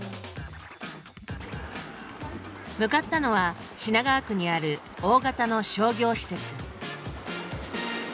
向かったのは品川区にある大型の商業施設。